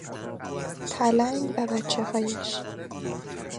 پلنگ و بچههایش